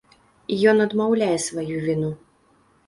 Ён адмаўляе сваю віну.